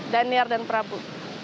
danir dan prabu